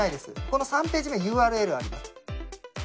この３ページ目、ＵＲＬあります。